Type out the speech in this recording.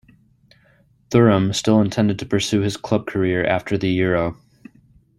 Thuram still intended to pursue his club career after the Euro.